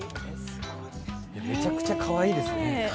めちゃくちゃかわいいですね。